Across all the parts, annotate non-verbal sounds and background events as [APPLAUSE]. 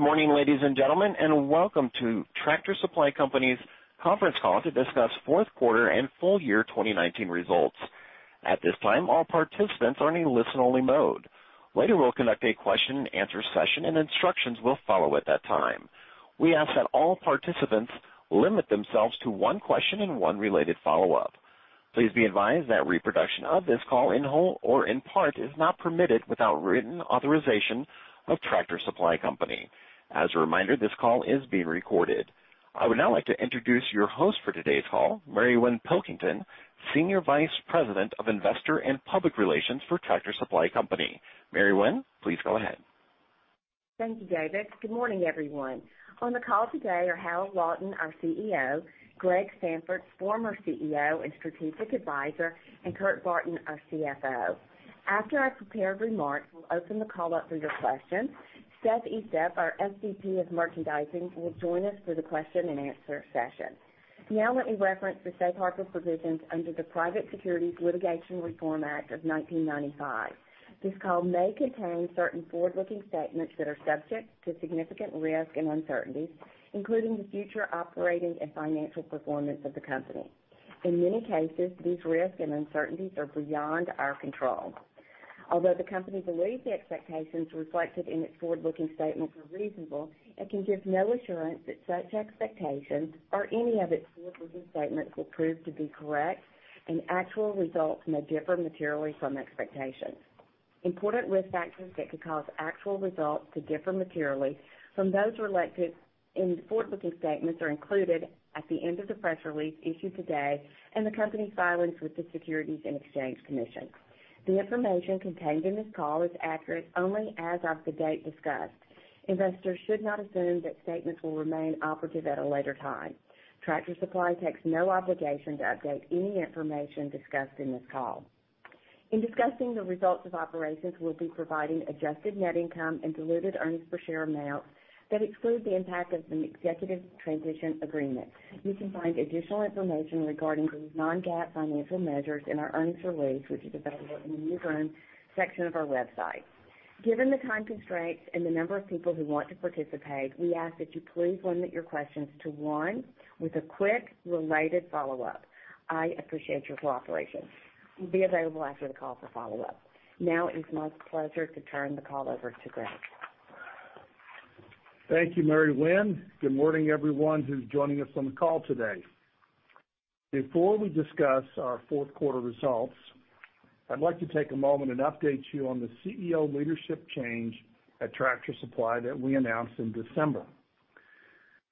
Good morning, ladies and gentlemen, and welcome to Tractor Supply Company's conference call to discuss fourth quarter and full year 2019 results. At this time, all participants are in a listen-only mode. Later, we'll conduct a question and answer session, and instructions will follow at that time. We ask that all participants limit themselves to one question and one related follow-up. Please be advised that reproduction of this call in whole or in part is not permitted without written authorization of Tractor Supply Company. As a reminder, this call is being recorded. I would now like to introduce your host for today's call, Mary Winn Pilkington, Senior Vice President of Investor and Public Relations for Tractor Supply Company. Mary Winn, please go ahead. Thank you, David. Good morning, everyone. On the call today are Hal Lawton, our CEO, Greg Sandfort, former CEO and Strategic Advisor, and Kurt Barton, our CFO. After I prepare remarks, we'll open the call up for your questions. Seth Estep, our SVP of Merchandising, will join us for the question and answer session. Let me reference the Safe Harbor provisions under the Private Securities Litigation Reform Act of 1995. This call may contain certain forward-looking statements that are subject to significant risk and uncertainty, including the future operating and financial performance of the company. In many cases, these risks and uncertainties are beyond our control. Although the company believes the expectations reflected in its forward-looking statements are reasonable, it can give no assurance that such expectations or any of its forward-looking statements will prove to be correct and actual results may differ materially from expectations. Important risk factors that could cause actual results to differ materially from those reflected in the forward-looking statements are included at the end of the press release issued today and the company's filings with the Securities and Exchange Commission. The information contained in this call is accurate only as of the date discussed. Investors should not assume that statements will remain operative at a later time. Tractor Supply takes no obligation to update any information discussed in this call. In discussing the results of operations, we'll be providing adjusted net income and diluted earnings per share amounts that exclude the impact of the executive transition agreement. You can find additional information regarding these non-GAAP financial measures in our earnings release, which is available in the Newsroom section of our website. Given the time constraints and the number of people who want to participate, we ask that you please limit your questions to one with a quick related follow-up. I appreciate your cooperation. We'll be available after the call for follow-up. Now it's my pleasure to turn the call over to Greg. Thank you, Mary Winn. Good morning, everyone who's joining us on the call today. Before we discuss our fourth quarter results, I'd like to take a moment and update you on the CEO leadership change at Tractor Supply that we announced in December.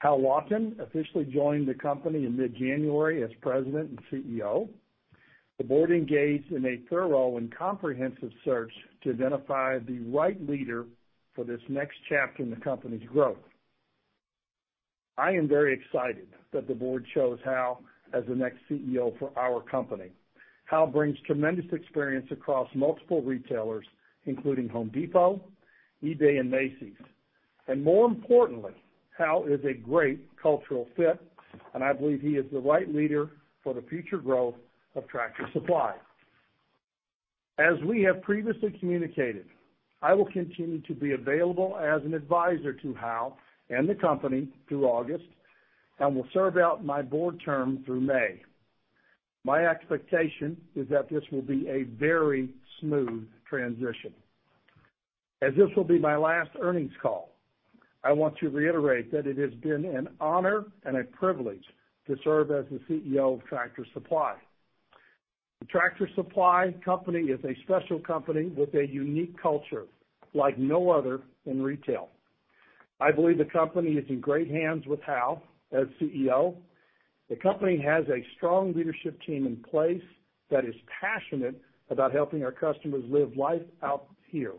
Hal Lawton officially joined the company in mid-January as President and CEO. The board engaged in a thorough and comprehensive search to identify the right leader for this next chapter in the company's growth. I am very excited that the board chose Hal as the next CEO for our company. Hal brings tremendous experience across multiple retailers, including Home Depot, eBay, and Macy's. More importantly, Hal is a great cultural fit, and I believe he is the right leader for the future growth of Tractor Supply. As we have previously communicated, I will continue to be available as an advisor to Hal and the company through August and will serve out my board term through May. My expectation is that this will be a very smooth transition. As this will be my last earnings call, I want to reiterate that it has been an honor and a privilege to serve as the CEO of Tractor Supply. The Tractor Supply Company is a special company with a unique culture like no other in retail. I believe the company is in great hands with Hal as CEO. The company has a strong leadership team in place that is passionate about helping our customers live life out here.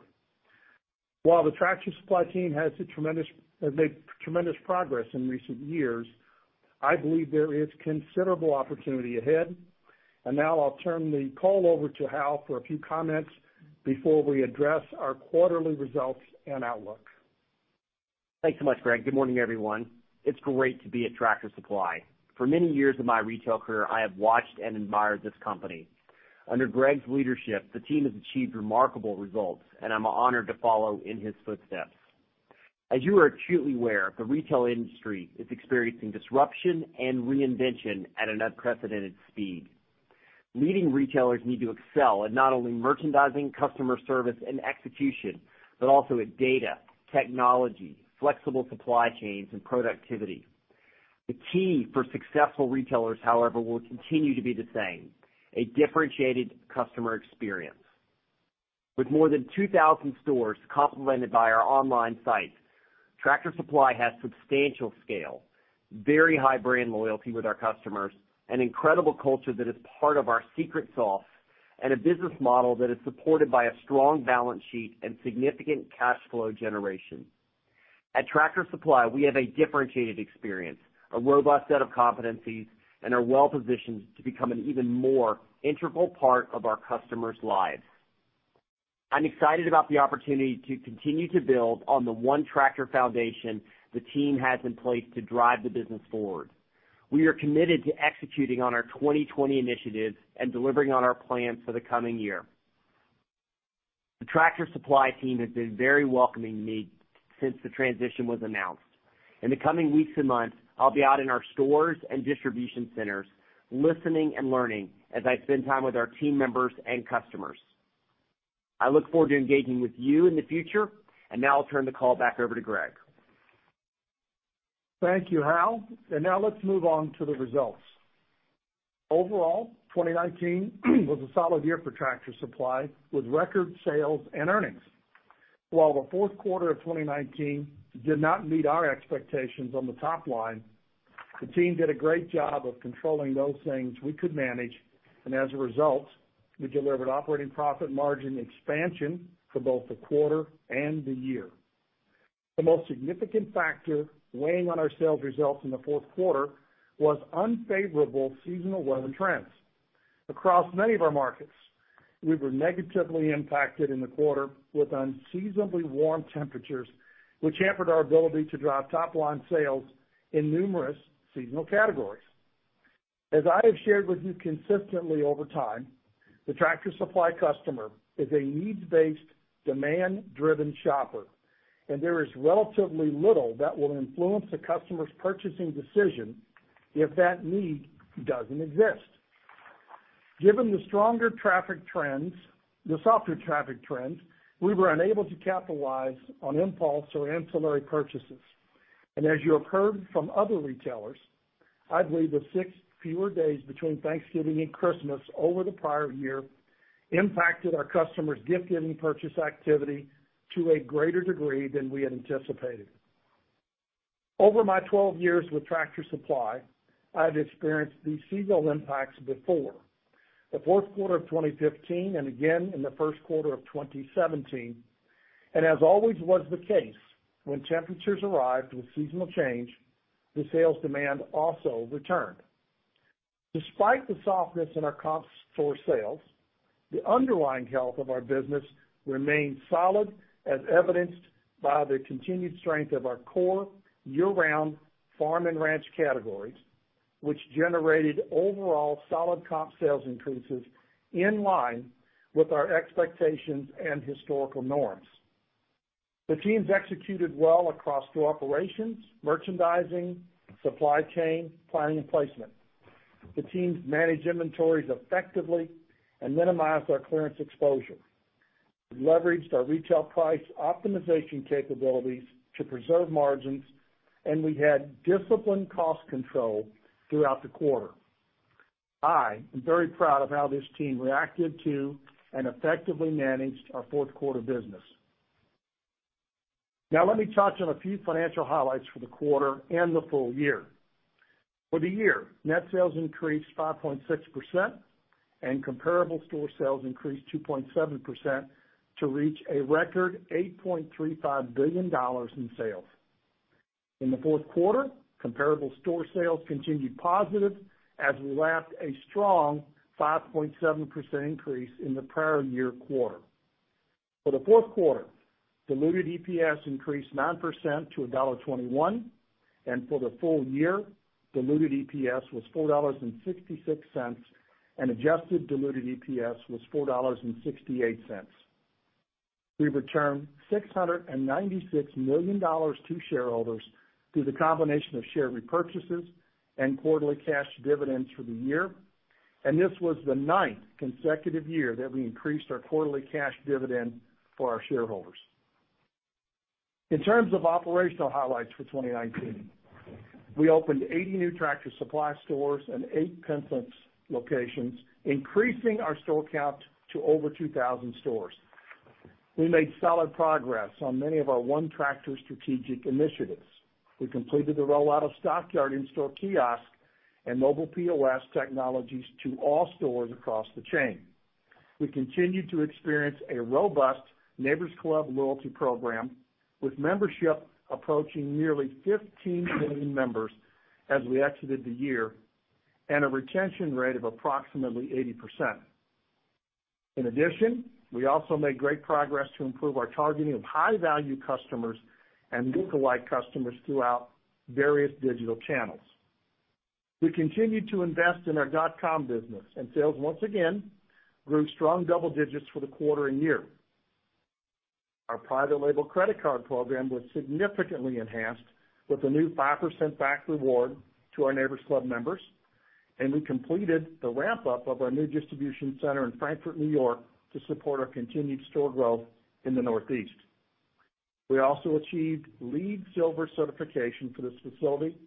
While the Tractor Supply team has made tremendous progress in recent years, I believe there is considerable opportunity ahead. Now I'll turn the call over to Hal for a few comments before we address our quarterly results and outlook. Thanks so much, Greg. Good morning, everyone. It's great to be at Tractor Supply. For many years of my retail career, I have watched and admired this company. Under Greg's leadership, the team has achieved remarkable results, and I'm honored to follow in his footsteps. As you are acutely aware, the retail industry is experiencing disruption and reinvention at an unprecedented speed. Leading retailers need to excel at not only merchandising, customer service, and execution, but also at data, technology, flexible supply chains, and productivity. The key for successful retailers, however, will continue to be the same, a differentiated customer experience. With more than 2,000 stores complemented by our online site, Tractor Supply has substantial scale, very high brand loyalty with our customers, an incredible culture that is part of our secret sauce, and a business model that is supported by a strong balance sheet and significant cash flow generation. At Tractor Supply, we have a differentiated experience, a robust set of competencies, and are well-positioned to become an even more integral part of our customers' lives. I'm excited about the opportunity to continue to build on the ONETractor foundation the team has in place to drive the business forward. We are committed to executing on our 2020 initiatives and delivering on our plans for the coming year. The Tractor Supply team has been very welcoming to me since the transition was announced. In the coming weeks and months, I'll be out in our stores and distribution centers listening and learning as I spend time with our team members and customers. I look forward to engaging with you in the future. Now I'll turn the call back over to Greg. Thank you, Hal. Now let's move on to the results. Overall, 2019 was a solid year for Tractor Supply, with record sales and earnings. While the fourth quarter of 2019 did not meet our expectations on the top line, the team did a great job of controlling those things we could manage, and as a result, we delivered operating profit margin expansion for both the quarter and the year. The most significant factor weighing on our sales results in the fourth quarter was unfavorable seasonal weather trends. Across many of our markets, we were negatively impacted in the quarter with unseasonably warm temperatures, which hampered our ability to drive top-line sales in numerous seasonal categories. As I have shared with you consistently over time, the Tractor Supply customer is a needs-based, demand-driven shopper, and there is relatively little that will influence the customer's purchasing decision if that need doesn't exist. Given the softer traffic trends, we were unable to capitalize on impulse or ancillary purchases. As you have heard from other retailers, I believe the six fewer days between Thanksgiving and Christmas over the prior year impacted our customers' gift-giving purchase activity to a greater degree than we had anticipated. Over my 12 years with Tractor Supply, I have experienced these seasonal impacts before. The fourth quarter of 2015, and again in the first quarter of 2017. As always was the case, when temperatures arrived with seasonal change, the sales demand also returned. Despite the softness in our comp store sales, the underlying health of our business remained solid, as evidenced by the continued strength of our core year-round farm and ranch categories, which generated overall solid comp sales increases in line with our expectations and historical norms. The teams executed well across store operations, merchandising, supply chain, planning, and placement. The teams managed inventories effectively and minimized our clearance exposure. We leveraged our retail price optimization capabilities to preserve margins, and we had disciplined cost control throughout the quarter. I am very proud of how this team reacted to and effectively managed our fourth-quarter business. Let me touch on a few financial highlights for the quarter and the full year. For the year, net sales increased 5.6%, and comparable store sales increased 2.7% to reach a record $8.35 billion in sales. In the fourth quarter, comparable store sales continued positive as we lapped a strong 5.7% increase in the prior year quarter. For the fourth quarter, diluted EPS increased 9% to $1.21, and for the full year, diluted EPS was $4.66, and adjusted diluted EPS was $4.68. We returned $696 million to shareholders through the combination of share repurchases and quarterly cash dividends for the year, and this was the ninth consecutive year that we increased our quarterly cash dividend for our shareholders. In terms of operational highlights for 2019, we opened 80 new Tractor Supply stores and eight Petsense locations, increasing our store count to over 2,000 stores. We made solid progress on many of our ONETractor strategic initiatives. We completed the rollout of Stockyard in-store kiosk and mobile POS technologies to all stores across the chain. We continued to experience a robust Neighbor's Club loyalty program, with membership approaching nearly 15 million members as we exited the year, and a retention rate of approximately 80%. In addition, we also made great progress to improve our targeting of high-value customers and lookalike customers throughout various digital channels. We continued to invest in our dot-com business. Sales once again grew strong double digits for the quarter and year. Our private label credit card program was significantly enhanced with the new 5% back reward to our Neighbor's Club members, and we completed the ramp-up of our new distribution center in Frankfort, New York, to support our continued store growth in the Northeast. We also achieved LEED Silver certification for this facility,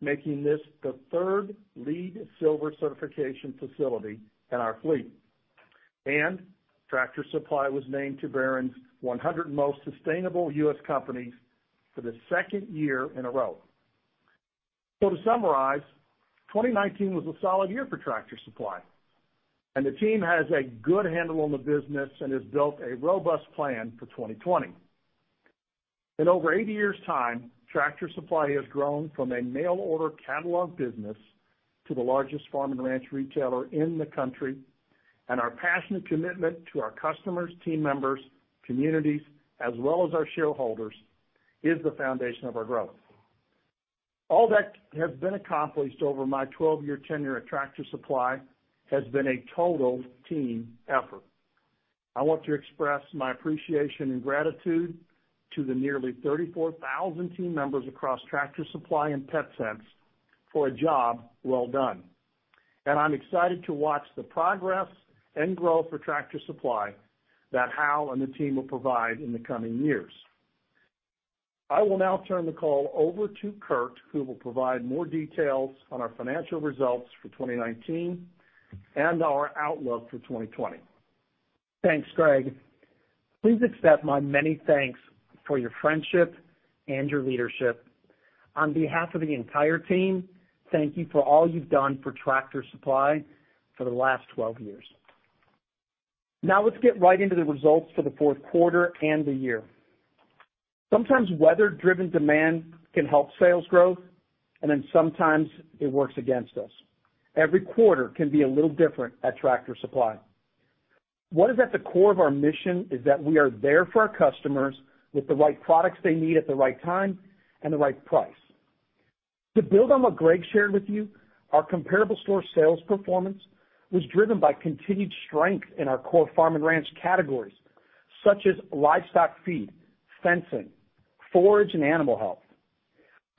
making this the third LEED Silver certification facility in our fleet. Tractor Supply was named to Barron's 100 Most Sustainable U.S. Companies for the second year in a row. To summarize, 2019 was a solid year for Tractor Supply, and the team has a good handle on the business and has built a robust plan for 2020. In over 80 years' time, Tractor Supply has grown from a mail-order catalog business to the largest farm and ranch retailer in the country, and our passionate commitment to our customers, team members, communities, as well as our shareholders, is the foundation of our growth. All that has been accomplished over my 12-year tenure at Tractor Supply has been a total team effort. I want to express my appreciation and gratitude to the nearly 34,000 team members across Tractor Supply and Petsense for a job well done. I'm excited to watch the progress and growth for Tractor Supply that Hal and the team will provide in the coming years. I will now turn the call over to Kurt, who will provide more details on our financial results for 2019 and our outlook for 2020. Thanks, Greg. Please accept my many thanks for your friendship and your leadership. On behalf of the entire team, thank you for all you've done for Tractor Supply for the last 12 years. Now let's get right into the results for the fourth quarter and the year. Sometimes weather-driven demand can help sales growth, and then sometimes it works against us. Every quarter can be a little different at Tractor Supply. What is at the core of our mission is that we are there for our customers with the right products they need at the right time and the right price. To build on what Greg shared with you, our comparable store sales performance was driven by continued strength in our core farm and ranch categories, such as livestock feed, fencing, forage, and animal health.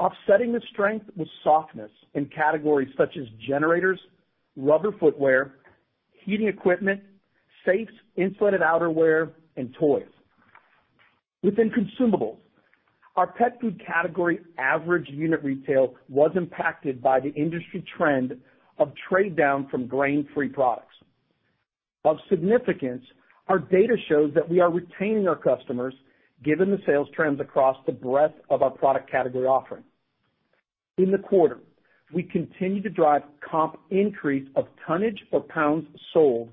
Offsetting the strength was softness in categories such as generators, rubber footwear, heating equipment, safes, insulated outerwear, and toys. Within consumables, our pet food category average unit retail was impacted by the industry trend of trade down from grain-free products. Of significance, our data shows that we are retaining our customers given the sales trends across the breadth of our product category offering. In the quarter, we continued to drive comp increase of tonnage of pounds sold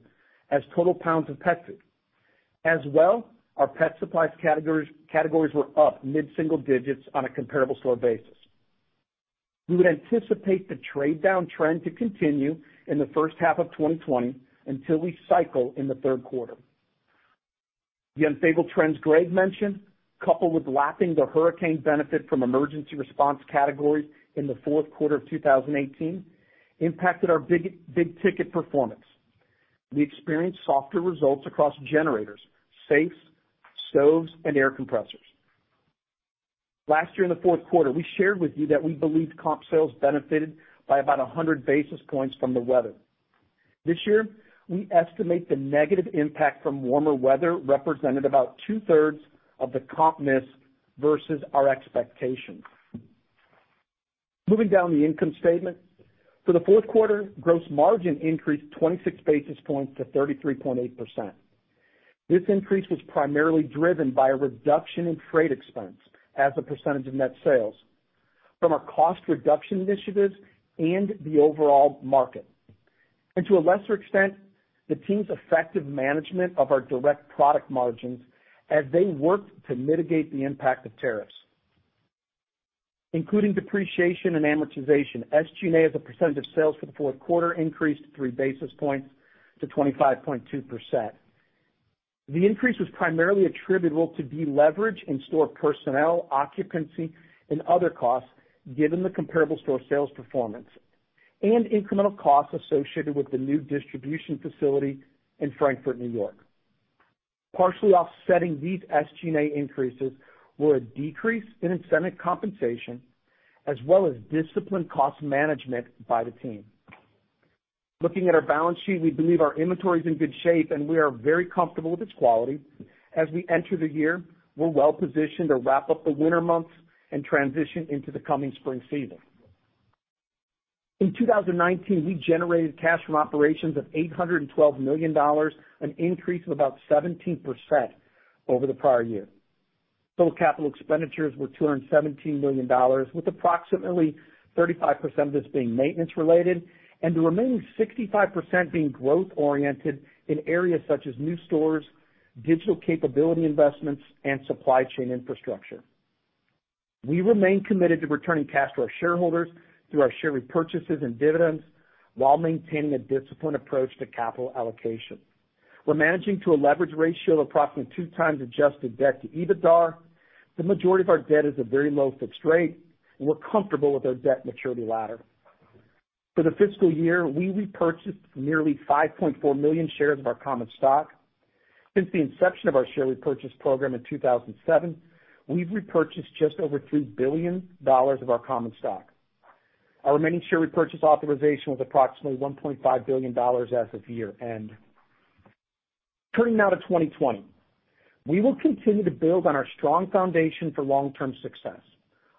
as total pounds of pet food. Our pet supplies categories were up mid-single digits on a comparable store basis. We would anticipate the trade-down trend to continue in the first half of 2020 until we cycle in the third quarter. The unfavorable trends Greg mentioned, coupled with lapping the hurricane benefit from emergency response categories in the fourth quarter of 2018, impacted our big ticket performance. We experienced softer results across generators, safes, stoves, and air compressors. Last year in the fourth quarter, we shared with you that we believed comp sales benefited by about 100 basis points from the weather. This year, we estimate the negative impact from warmer weather represented about 2/3 of the comp miss versus our expectations. Moving down the income statement. For the fourth quarter, gross margin increased 26 basis points to 33.8%. This increase was primarily driven by a reduction in freight expense as a percentage of net sales from our cost reduction initiatives and the overall market. To a lesser extent, the team's effective management of our direct product margins as they worked to mitigate the impact of tariffs. Including depreciation and amortization, SG&A as a percentage of sales for the fourth quarter increased three basis points to 25.2%. The increase was primarily attributable to deleverage in store personnel, occupancy, and other costs given the comparable store sales performance and incremental costs associated with the new distribution facility in Frankfort, New York. Partially offsetting these SG&A increases were a decrease in incentive compensation, as well as disciplined cost management by the team. Looking at our balance sheet, we believe our inventory is in good shape, and we are very comfortable with its quality. As we enter the year, we are well positioned to wrap up the winter months and transition into the coming spring season. In 2019, we generated cash from operations of $812 million, an increase of about 17% over the prior year. Total capital expenditures were $217 million, with approximately 35% of this being maintenance-related and the remaining 65% being growth-oriented in areas such as new stores, digital capability investments, and supply chain infrastructure. We remain committed to returning cash to our shareholders through our share repurchases and dividends while maintaining a disciplined approach to capital allocation. We're managing to a leverage ratio of approximately 2x adjusted debt to EBITDA. The majority of our debt is a very low fixed rate, and we're comfortable with our debt maturity ladder. For the fiscal year, we repurchased nearly 5.4 million shares of our common stock. Since the inception of our share repurchase program in 2007, we've repurchased just over $3 billion of our common stock. Our remaining share repurchase authorization was approximately $1.5 billion as of year-end. Turning now to 2020. We will continue to build on our strong foundation for long-term success.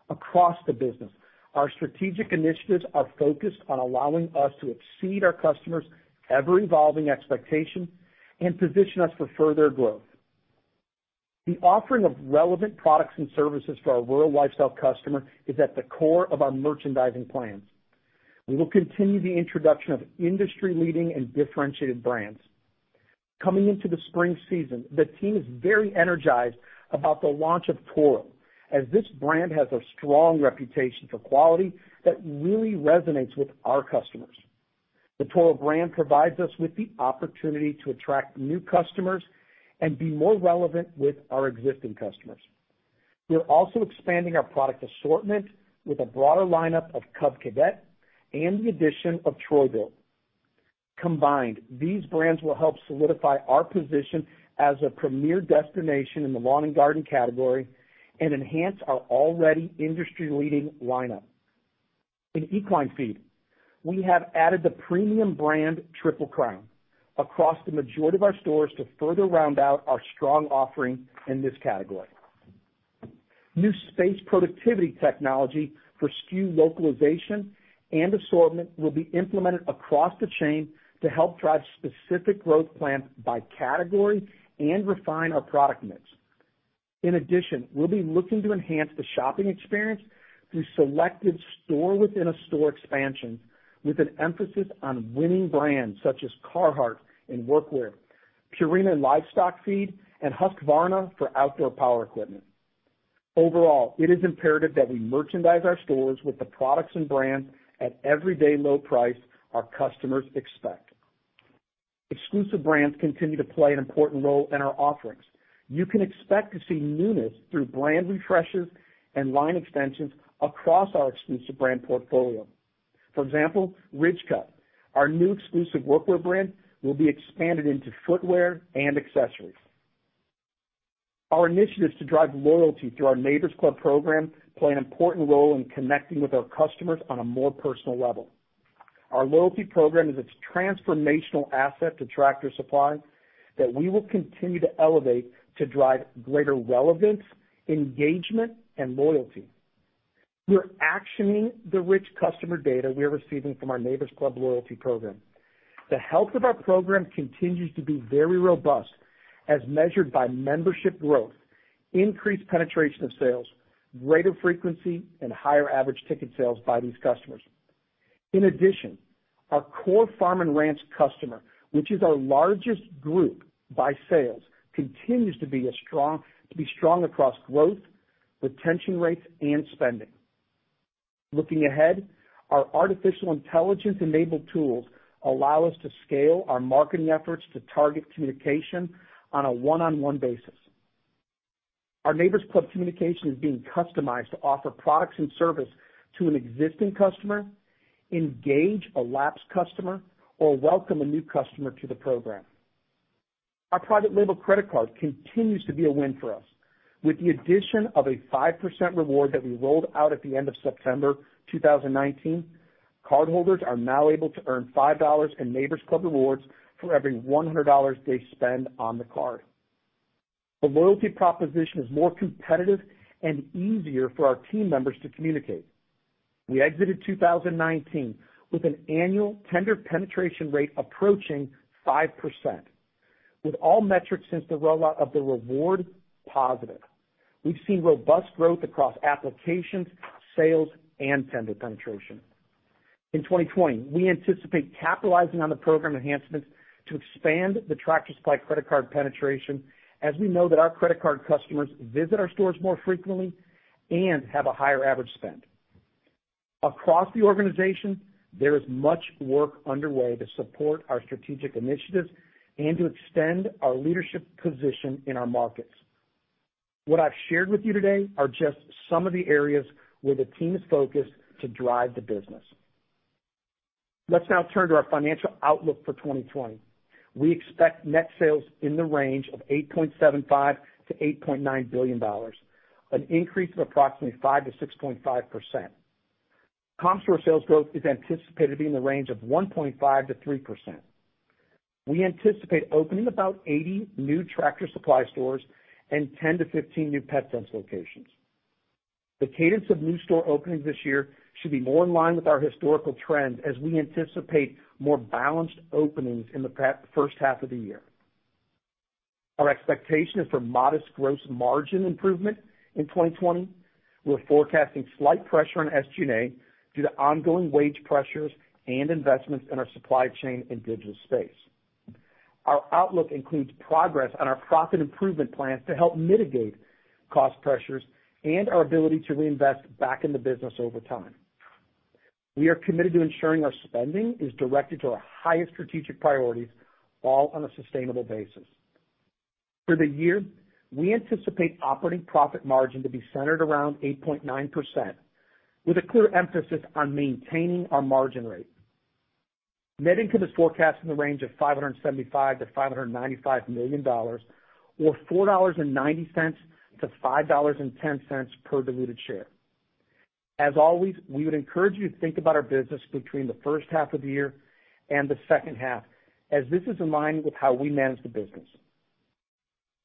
Across the business, our strategic initiatives are focused on allowing us to exceed our customers' ever-evolving expectations and position us for further growth. The offering of relevant products and services to our rural lifestyle customer is at the core of our merchandising plans. We will continue the introduction of industry-leading and differentiated brands. Coming into the spring season, the team is very energized about the launch of Toro, as this brand has a strong reputation for quality that really resonates with our customers. The Toro brand provides us with the opportunity to attract new customers and be more relevant with our existing customers. We're also expanding our product assortment with a broader lineup of Cub Cadet and the addition of Troy-Bilt. Combined, these brands will help solidify our position as a premier destination in the lawn and garden category and enhance our already industry-leading lineup. In equine feed, we have added the premium brand Triple Crown across the majority of our stores to further round out our strong offering in this category. New space productivity technology for SKU localization and assortment will be implemented across the chain to help drive specific growth plans by category and refine our product mix. In addition, we'll be looking to enhance the shopping experience through selected store-within-a-store expansions with an emphasis on winning brands such as Carhartt in workwear, Purina in livestock feed, and Husqvarna for outdoor power equipment. Overall, it is imperative that we merchandise our stores with the products and brands at everyday low price our customers expect. Exclusive brands continue to play an important role in our offerings. You can expect to see newness through brand refreshes and line extensions across our exclusive brand portfolio. For example, Ridgecut, our new exclusive workwear brand, will be expanded into footwear and accessories. Our initiatives to drive loyalty through our Neighbor's Club program play an important role in connecting with our customers on a more personal level. Our loyalty program is a transformational asset to Tractor Supply that we will continue to elevate to drive greater relevance, engagement, and loyalty. We're actioning the rich customer data we are receiving from our Neighbor's Club loyalty program. The health of our program continues to be very robust as measured by membership growth, increased penetration of sales, greater frequency, and higher average ticket sales by these customers. In addition, our core farm and ranch customer, which is our largest group by sales, continues to be strong across growth, retention rates, and spending. Looking ahead, our artificial intelligence-enabled tools allow us to scale our marketing efforts to target communication on a one-on-one basis. Our Neighbor's Club communication is being customized to offer products and service to an existing customer, engage a lapsed customer, or welcome a new customer to the program. Our private label credit card continues to be a win for us. With the addition of a 5% reward that we rolled out at the end of September 2019, cardholders are now able to earn $5 in Neighbor's Club rewards for every $100 they spend on the card. The loyalty proposition is more competitive and easier for our team members to communicate. We exited 2019 with an annual tender penetration rate approaching 5%, with all metrics since the rollout of the reward positive. We've seen robust growth across applications, sales, and tender penetration. In 2020, we anticipate capitalizing on the program enhancements to expand the Tractor Supply credit card penetration, as we know that our credit card customers visit our stores more frequently and have a higher average spend. Across the organization, there is much work underway to support our strategic initiatives and to extend our leadership position in our markets. What I've shared with you today are just some of the areas where the team is focused to drive the business. Let's now turn to our financial outlook for 2020. We expect net sales in the range of $8.75 billion-$8.9 billion, an increase of approximately 5%-6.5%. Comp store sales growth is anticipated to be in the range of 1.5%-3%. We anticipate opening about 80 new Tractor Supply stores and 10-15 new Petsense locations. The cadence of new store openings this year should be more in line with our historical trend as we anticipate more balanced openings in the first half of the year. Our expectation is for modest gross margin improvement in 2020. We're forecasting slight pressure on SG&A due to ongoing wage pressures and investments in our supply chain and digital space. Our outlook includes progress on our profit improvement plans to help mitigate cost pressures and our ability to reinvest back in the business over time. We are committed to ensuring our spending is directed to our highest strategic priorities, all on a sustainable basis. For the year, we anticipate operating profit margin to be centered around 8.9%, with a clear emphasis on maintaining our margin rate. Net income is forecast in the range of $575 million-$595 million, or $4.90-$5.10 per diluted share. As always, we would encourage you to think about our business between the first half of the year and the second half, as this is in line with how we manage the business.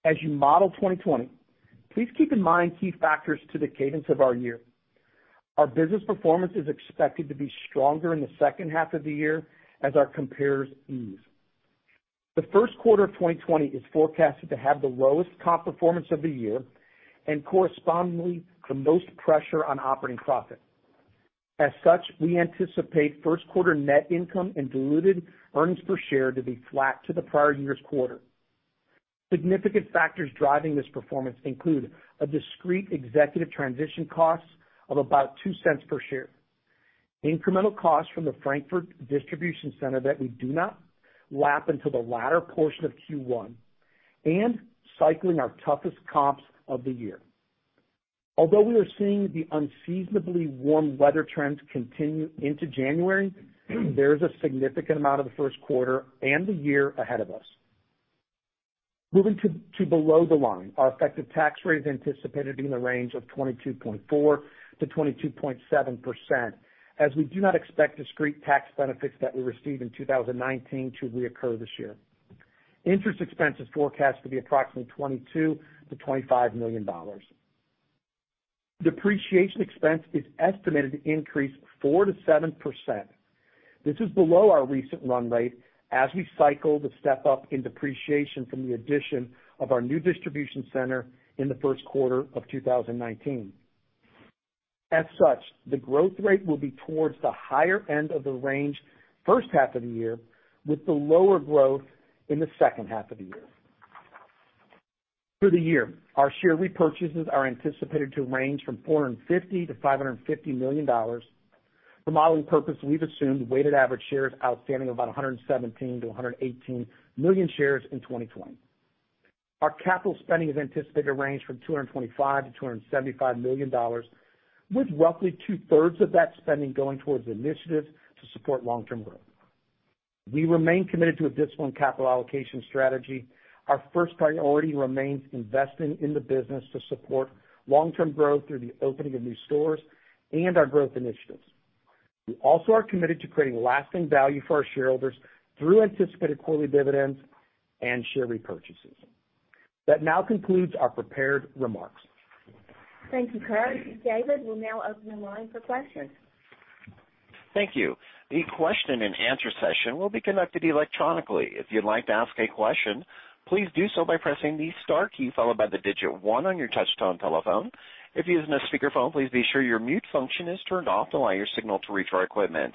As you model 2020, please keep in mind key factors to the cadence of our year. Our business performance is expected to be stronger in the second half of the year as our compares ease. The first quarter of 2020 is forecasted to have the lowest comp performance of the year and correspondingly, the most pressure on operating profit. As such, we anticipate first quarter net income and diluted earnings per share to be flat to the prior year's quarter. Significant factors driving this performance include a discrete executive transition cost of about $0.02 per share, incremental costs from the Frankfort distribution center that we do not lap until the latter portion of Q1, and cycling our toughest comps of the year. We are seeing the unseasonably warm weather trends continue into January, there is a significant amount of the first quarter and the year ahead of us. Moving to below the line, our effective tax rate is anticipated to be in the range of 22.4%-22.7%, as we do not expect discrete tax benefits that we received in 2019 to reoccur this year. Interest expense is forecast to be approximately $22 million-$25 million. Depreciation expense is estimated to increase 4%-7%. This is below our recent run rate as we cycle the step-up in depreciation from the addition of our new distribution center in the first quarter of 2019. The growth rate will be towards the higher end of the range first half of the year, with the lower growth in the second half of the year. Through the year, our share repurchases are anticipated to range from $450 million-$550 million. For modeling purpose, we've assumed weighted average shares outstanding of about 117 million-118 million shares in 2020. Our capital spending is anticipated to range from $225 million-$275 million, with roughly 2/3 of that spending going towards initiatives to support long-term growth. We remain committed to a disciplined capital allocation strategy. Our first priority remains investing in the business to support long-term growth through the opening of new stores and our growth initiatives. We also are committed to creating lasting value for our shareholders through anticipated quarterly dividends and share repurchases. That now concludes our prepared remarks. Thank you, Kurt. David, we'll now open the line for questions. Thank you. The question and answer session will be conducted electronically. If you'd like to ask a question, please do so by pressing the star key followed by the digit one on your touchtone telephone. If you're using a speakerphone, please be sure your mute function is turned off to allow your signal to reach our equipment.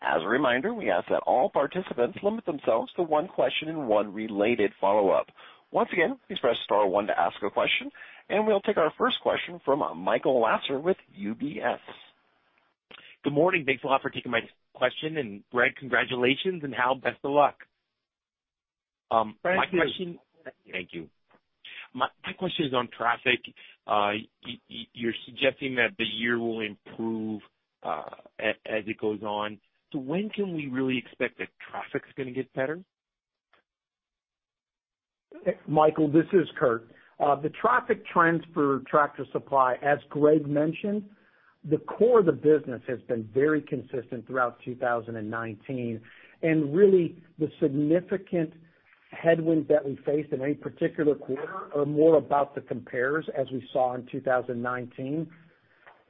As a reminder, we ask that all participants limit themselves to one question and one related follow-up. Once again, please press star one to ask a question, and we'll take our first question from Michael Lasser with UBS. Good morning. Thanks a lot for taking my question, and Greg, congratulations, and Hal, best of luck. Thank you. Thank you. My question is on traffic. You're suggesting that the year will improve, as it goes on. When can we really expect that traffic's gonna get better? Michael, this is Kurt. The traffic trends for Tractor Supply, as Greg mentioned, the core of the business has been very consistent throughout 2019. Really, the significant headwinds that we faced in any particular quarter are more about the compares, as we saw in 2019.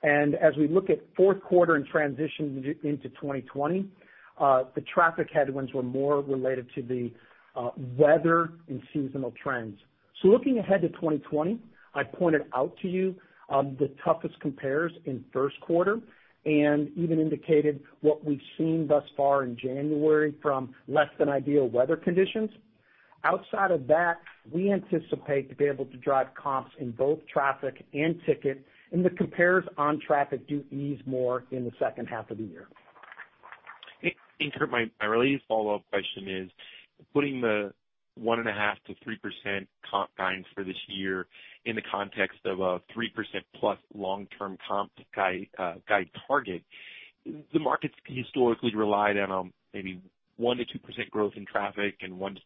As we look at fourth quarter and transition into 2020, the traffic headwinds were more related to the weather and seasonal trends. Looking ahead to 2020, I pointed out to you, the toughest compares in first quarter, and even indicated what we've seen thus far in January from less than ideal weather conditions. Outside of that, we anticipate to be able to drive comps in both traffic and ticket, and the compares on traffic do ease more in the second half of the year. Kurt, my related follow-up question is, putting the 1.5%-3% comp guidance for this year in the context of a 3%+ long-term comp guide target, the markets historically relied on maybe 1%-2% growth in traffic and 1%-2%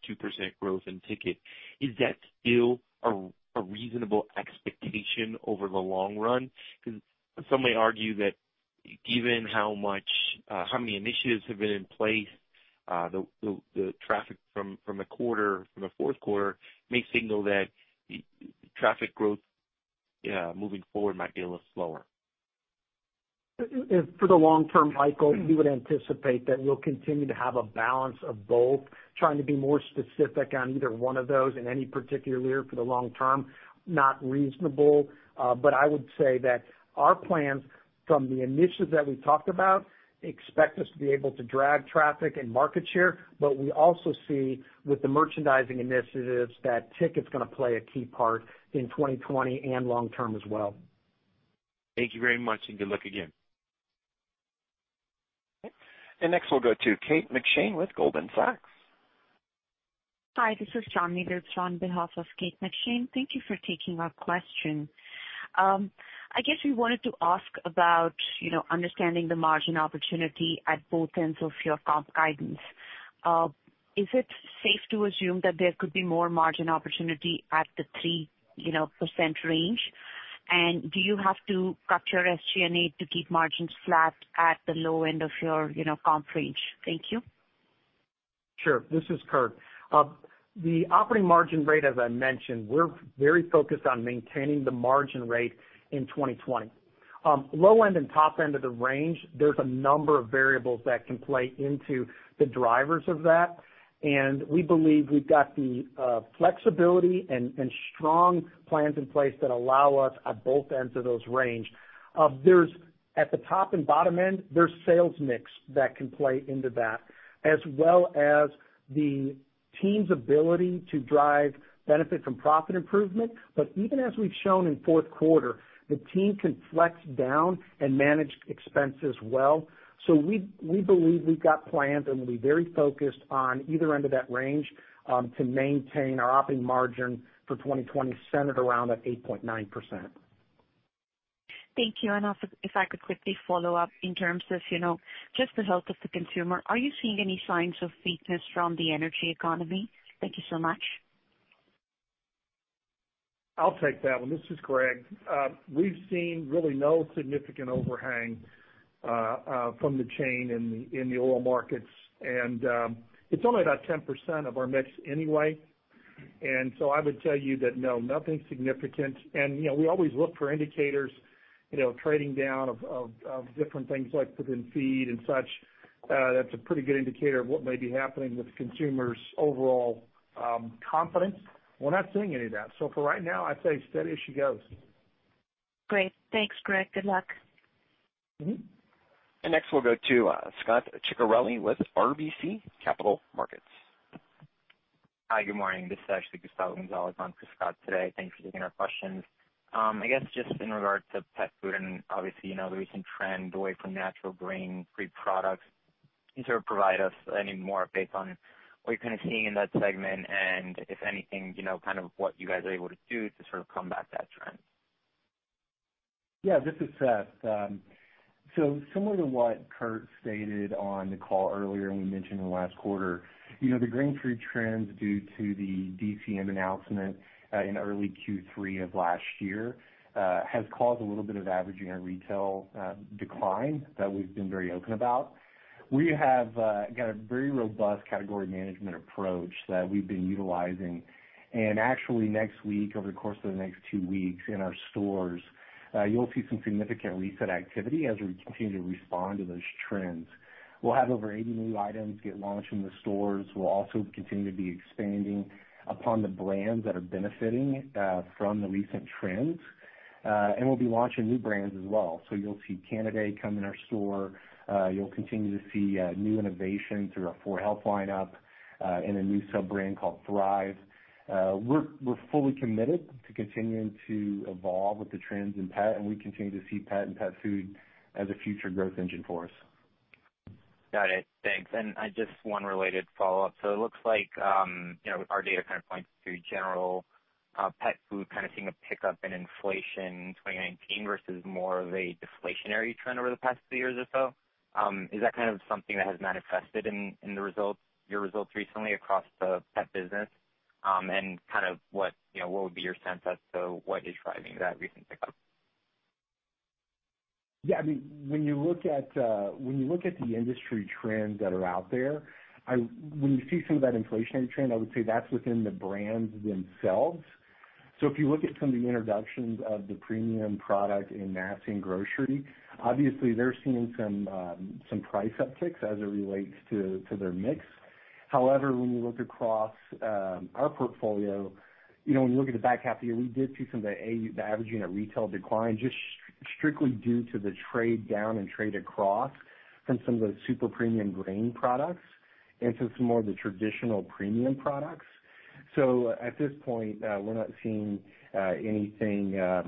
growth in ticket. Is that still a reasonable expectation over the long run? Some may argue that given how many initiatives have been in place, the traffic from the fourth quarter may signal that traffic growth moving forward might be a little slower. For the long term, Michael, we would anticipate that we'll continue to have a balance of both. Trying to be more specific on either one of those in any particular year for the long term, not reasonable. I would say that our plans from the initiatives that we talked about expect us to be able to drive traffic and market share, but we also see with the merchandising initiatives that ticket's gonna play a key part in 2020 and long term as well. Thank you very much, and good luck again. Okay. Next we'll go to Kate McShane with Goldman Sachs. Hi, this is Chandni Luthra. It's on behalf of Kate McShane. Thank you for taking our question. I guess we wanted to ask about understanding the margin opportunity at both ends of your comp guidance. Is it safe to assume that there could be more margin opportunity at the 3% range? Do you have to cut your SG&A to keep margins flat at the low end of your comp range? Thank you. Sure. This is Kurt. The operating margin rate, as I mentioned, we're very focused on maintaining the margin rate in 2020. Low end and top end of the range, there's a number of variables that can play into the drivers of that, and we believe we've got the flexibility and strong plans in place that allow us at both ends of those range. At the top and bottom end, there's sales mix that can play into that, as well as the team's ability to drive benefit from profit improvement. Even as we've shown in fourth quarter, the team can flex down and manage expenses well. We believe we've got plans, and we'll be very focused on either end of that range, to maintain our operating margin for 2020 centered around that 8.9%. Thank you. Also, if I could quickly follow up in terms of just the health of the consumer, are you seeing any signs of weakness from the energy economy? Thank you so much. I'll take that one. This is Greg. We've seen really no significant overhang from the chain in the oil markets, and it's only about 10% of our mix anyway. I would tell you that no, nothing significant. We always look for indicators, trading down of different things like within feed and such. That's a pretty good indicator of what may be happening with consumers' overall confidence. We're not seeing any of that. For right now, I'd say steady as she goes. Great. Thanks, Greg. Good luck. Next we'll go to Scot Ciccarelli with RBC Capital Markets. Hi, good morning. This is actually Gustavo Gonzalez on for Scot today. Thanks for taking our questions. I guess just in regard to pet food and obviously, the recent trend away from natural grain-free products. Can you sort of provide us any more based on what you're kind of seeing in that segment and, if anything, kind of what you guys are able to do to sort of combat that trend? Yeah, this is Seth. Similar to what Kurt stated on the call earlier and we mentioned in the last quarter, the grain-free trends due to the DCM announcement in early Q3 of last year has caused a little bit of averaging on retail decline that we've been very open about. We have got a very robust category management approach that we've been utilizing. Actually next week, over the course of the next two weeks in our stores, you'll see some significant reset activity as we continue to respond to those trends. We'll have over 80 new items get launched in the stores. We'll also continue to be expanding upon the brands that are benefiting from the recent trends. We'll be launching new brands as well. You'll see Canidae come in our store. You'll continue to see new innovation through our 4health lineup, and a new sub-brand called Thrive. We're fully committed to continuing to evolve with the trends in pet, and we continue to see pet and pet food as a future growth engine for us. Got it. Thanks. Just one related follow-up. It looks like our data kind of points to general pet food kind of seeing a pickup in inflation in 2019 versus more of a deflationary trend over the past three years or so. Is that kind of something that has manifested in your results recently across the pet business? What would be your sense as to what is driving that recent pickup? Yeah, when you look at the industry trends that are out there, when you see some of that inflationary trend, I would say that's within the brands themselves. If you look at some of the introductions of the premium product in mass and grocery, obviously they're seeing some price upticks as it relates to their mix. However, when you look across our portfolio, when you look at the back half of the year, we did see some of the averaging of retail decline just strictly due to the trade down and trade across from some of those super premium grain products into some more of the traditional premium products. At this point, we're not seeing anything of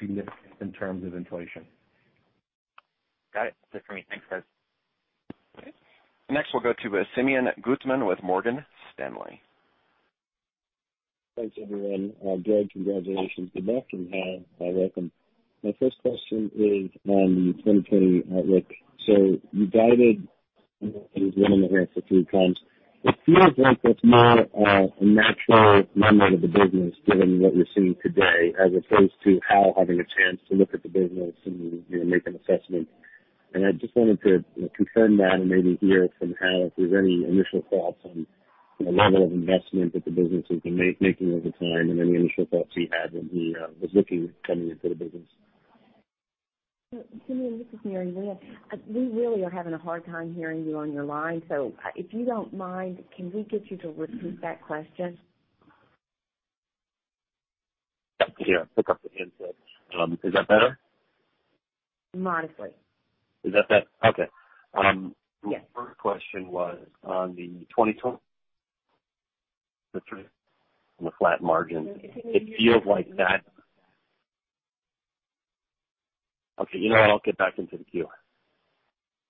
significance in terms of inflation. Got it. That's it for me. Thanks, guys. Okay. Next, we'll go to Simeon Gutman with Morgan Stanley. Thanks, everyone. Greg, congratulations. Good luck, and Hal, welcome. My first question is on the 2020 outlook. You guided for 3x. It feels like that's more a natural moment of the business given what we're seeing today, as opposed to Hal having a chance to look at the business and make an assessment. I just wanted to confirm that and maybe hear from Hal if there's any initial thoughts on the level of investment that the business has been making over time and any initial thoughts he had when he was looking, coming into the business. Simeon, this is Mary Winn. We really are having a hard time hearing you on your line. If you don't mind, can we get you to repeat that question? Yeah. Pick up the handset. Is that better? Modestly. Is that better? Okay. Yes. The first question was on the 2020 on the flat margin. It feels like that. Okay, you know what, I'll get back into the queue.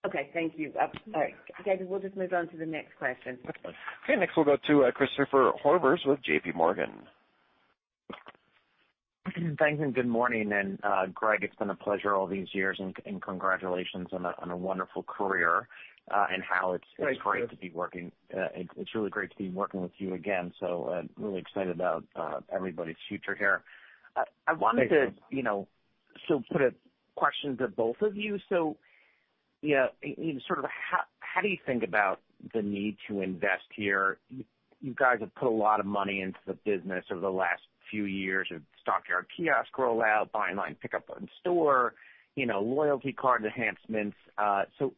Okay, thank you. Sorry. David, we'll just move on to the next question. Okay. Next, we'll go to Christopher Horvers with JPMorgan. Thanks. Good morning. Greg, it's been a pleasure all these years, and congratulations on a wonderful career. Thanks. It's really great to be working with you again, so really excited about everybody's future here. Thanks. I wanted to put a question to both of you. How do you think about the need to invest here? You guys have put a lot of money into the business over the last few years of Stockyard kiosk rollout, buy online, pickup in store, loyalty card enhancements.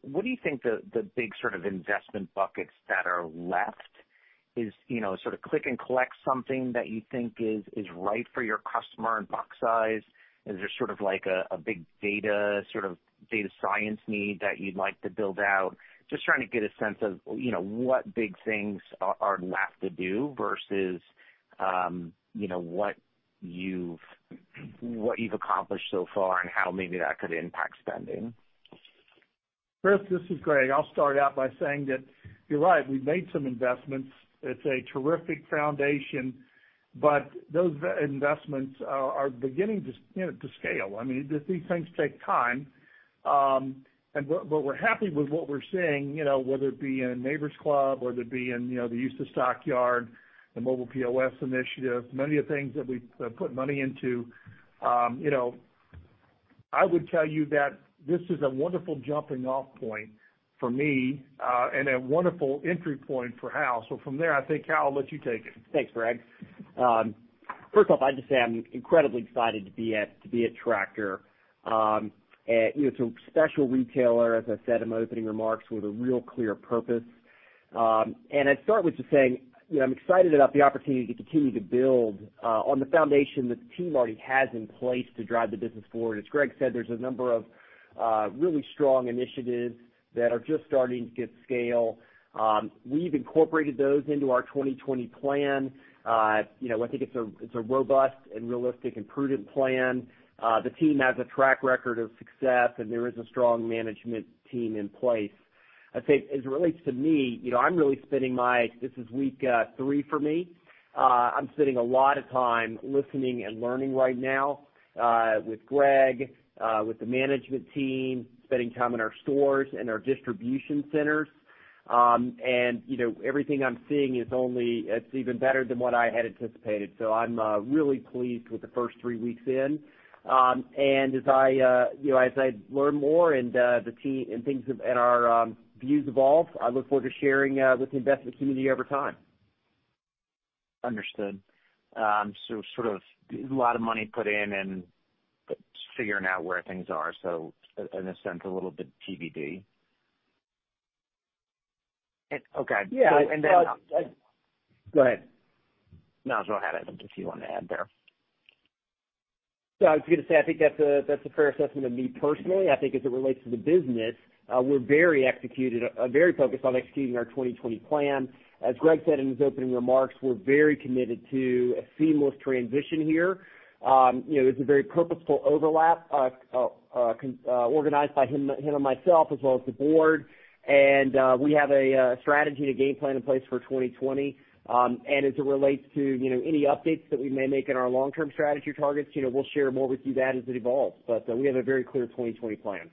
What do you think the big sort of investment buckets that are left? Is sort of click and collect something that you think is right for your customer and box size? Is there sort of like a big data science need that you'd like to build out? Just trying to get a sense of what big things are left to do versus what you've accomplished so far and how maybe that could impact spending. Chris, this is Greg. I'll start out by saying that you're right, we've made some investments. It's a terrific foundation, but those investments are beginning to scale. These things take time. We're happy with what we're seeing, whether it be in Neighbor's Club, whether it be in the use of Stockyard, the mobile POS initiative, many of the things that we put money into. I would tell you that this is a wonderful jumping off point for me, and a wonderful entry point for Hal. From there, I think, Hal, I'll let you take it. Thanks, Greg. First off, I'd just say I'm incredibly excited to be at Tractor. It's a special retailer, as I said in my opening remarks, with a real clear purpose. I'd start with just saying, I'm excited about the opportunity to continue to build on the foundation that the team already has in place to drive the business forward. As Greg said, there's a number of really strong initiatives that are just starting to get scale. We've incorporated those into our 2020 plan. I think it's a robust and realistic and prudent plan. The team has a track record of success, and there is a strong management team in place. I'd say, as it relates to me, this is week three for me. I'm spending a lot of time listening and learning right now, with Greg, with the management team, spending time in our stores and our distribution centers. Everything I'm seeing, it's even better than what I had anticipated. I'm really pleased with the first three weeks in. As I learn more and our views evolve, I look forward to sharing with the investment community over time. Understood. Sort of a lot of money put in and figuring out where things are. In a sense, a little bit TBD. Okay. Yeah. And then- Go ahead. No, go ahead. I don't know if you wanted to add there. I was going to say, I think that's a fair assessment of me personally. I think as it relates to the business, we're very focused on executing our 2020 Plan. As Greg said in his opening remarks, we're very committed to a seamless transition here. It's a very purposeful overlap, organized by him and myself, as well as the Board. We have a strategy and a game plan in place for 2020. As it relates to any updates that we may make in our long-term strategy targets, we'll share more with you that as it evolves. We have a very clear 2020 Plan.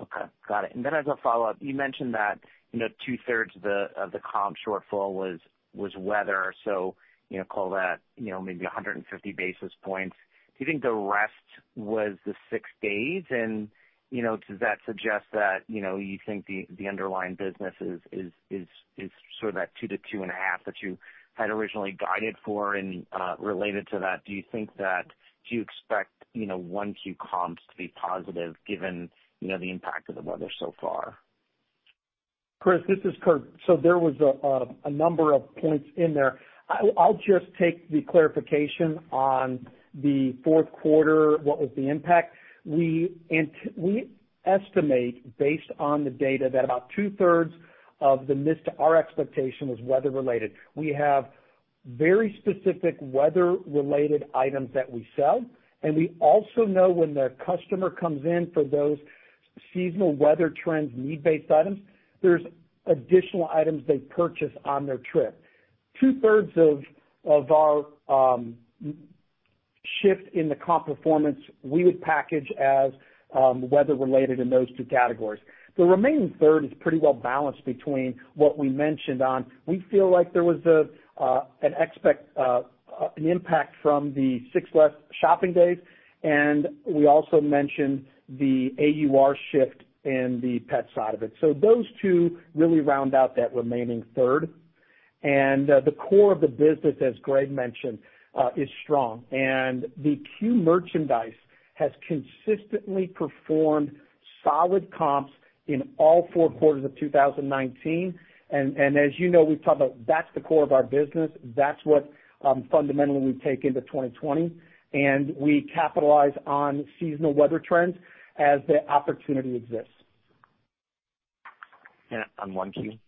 Okay. Got it. As a follow-up, you mentioned that 2/3 of the comp shortfall was weather. Call that maybe 150 basis points. Do you think the rest was the six days? Does that suggest that you think the underlying business is sort of that 2%-2.5% that you had originally guided for? Related to that, do you expect 1Q comps to be positive given the impact of the weather so far? Chris, this is Kurt. There was a number of points in there. I'll just take the clarification on the fourth quarter, what was the impact. We estimate, based on the data, that about 2/3 of the miss to our expectation was weather related. We have very specific weather related items that we sell, and we also know when the customer comes in for those seasonal weather trends need-based items, there's additional items they purchase on their trip. 2/3 of our shift in the comp performance, we would package as weather related in those two categories. The remaining third is pretty well balanced between what we mentioned on, we feel like there was an impact from the six less shopping days, and we also mentioned the AUR shift in the pet side of it. Those two really round out that remaining third. The core of the business, as Greg mentioned, is strong. The Q merchandise has consistently performed solid comps in all four quarters of 2019. As you know, we've talked about that's the core of our business. That's what fundamentally we take into 2020, and we capitalize on seasonal weather trends as the opportunity exists. On 1Q?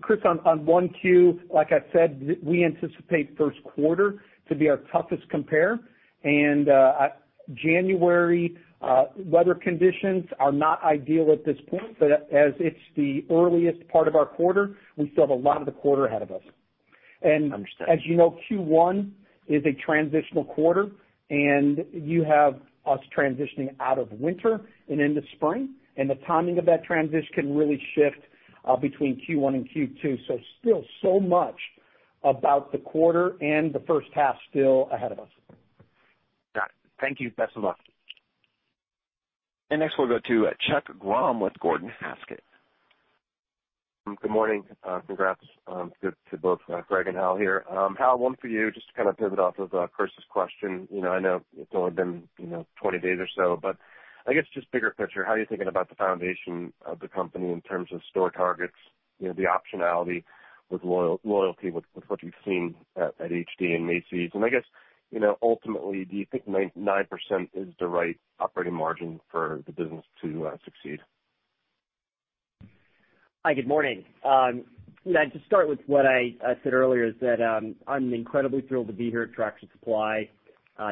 Chris, on 1Q, like I said, we anticipate first quarter to be our toughest compare. January weather conditions are not ideal at this point. As it's the earliest part of our quarter, we still have a lot of the quarter ahead of us. Understood. As you know, Q1 is a transitional quarter, and you have us transitioning out of winter and into spring, and the timing of that transition can really shift between Q1 and Q2. Still so much About the quarter and the first half still ahead of us. Got it. Thank you. Best of luck. Next, we'll go to Chuck Grom with Gordon Haskett. Good morning. Congrats to both Greg and Hal here. Hal, one for you, just to pivot off of Kurt's question. I know it's only been 20 days or so, but I guess just bigger picture, how are you thinking about the foundation of the company in terms of store targets, the optionality with loyalty, with what you've seen at HD and Macy's? I guess, ultimately, do you think 9% is the right operating margin for the business to succeed? Hi, good morning. To start with what I said earlier is that I'm incredibly thrilled to be here at Tractor Supply.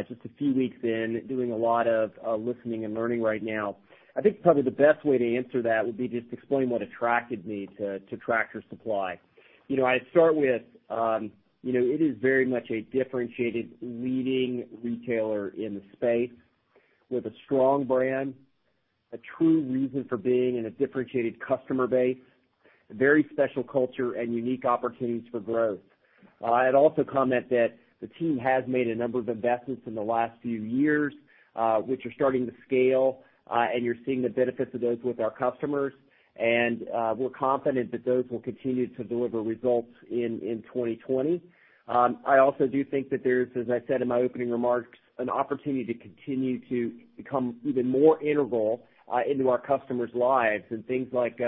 Just a few weeks in, doing a lot of listening and learning right now. I think probably the best way to answer that would be just explain what attracted me to Tractor Supply. I'd start with, it is very much a differentiated leading retailer in the space with a strong brand, a true reason for being and a differentiated customer base, a very special culture, and unique opportunities for growth. I'd also comment that the team has made a number of investments in the last few years, which are starting to scale, and you're seeing the benefits of those with our customers. We're confident that those will continue to deliver results in 2020. I also do think that there's, as I said in my opening remarks, an opportunity to continue to become even more integral into our customers' lives and things like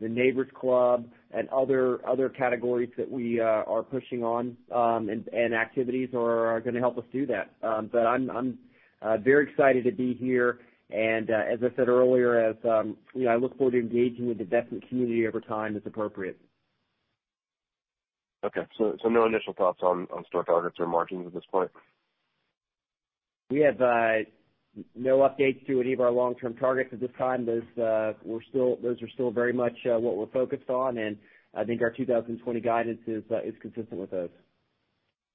the Neighbor's Club and other categories that we are pushing on, and activities are going to help us do that. I'm very excited to be here, and, as I said earlier, I look forward to engaging with the investment community over time as appropriate. Okay. No initial thoughts on store targets or margins at this point? We have no updates to any of our long-term targets at this time. Those are still very much what we're focused on, and I think our 2020 guidance is consistent with those.